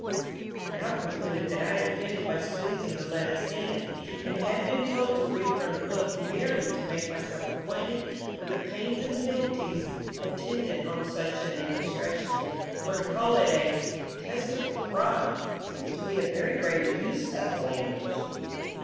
I now concluded that I had offended by squeezing Yoletta's hand, and had been told to read from the book merely to make myself acquainted with the pains and penalties attendant on such an indiscretion, for to call it a "detestable crime" seemed to me a very great abuse of language.